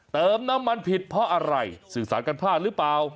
เติมน้ำมันผิดเพราะอะไรสื่อสารกันพลาดหรือเปล่า